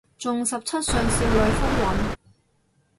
仲十七歲少女風韻